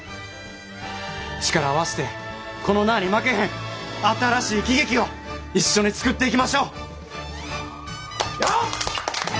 力合わしてこの名に負けへん新しい喜劇を一緒に作っていきましょう。